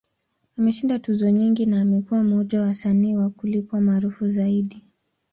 Ameshinda tuzo nyingi, na amekuwa mmoja wa wasanii wa kulipwa maarufu zaidi.